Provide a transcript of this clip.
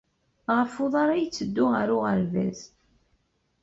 Ɣef uḍar ay yetteddu ɣer uɣerbaz.